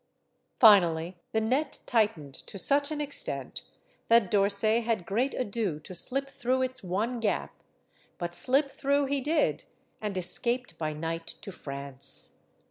Finally, the net tightened to such an extent that D'Orsay had great ado to slip through its one gap; but slip through he did, and escaped by night to France.